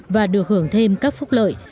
và được hưởng thêm các phúc lợi